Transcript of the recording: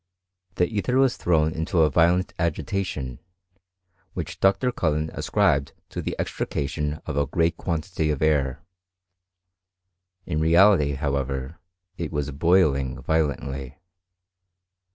The ether was thrown into a violent agitation, which Dr. Cullen ascribed to the extrication of a great quantity of air: in reality, however, it was boiling violently.